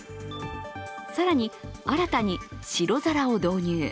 更に、新たに白皿を導入。